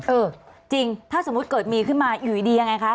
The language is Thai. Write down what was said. เออจริงถ้าสมมุติเกิดมีขึ้นมาอยู่ดียังไงคะ